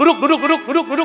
buduk duduk they